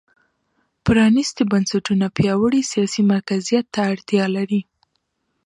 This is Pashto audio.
پرانېستي بنسټونه پیاوړي سیاسي مرکزیت ته اړتیا لري.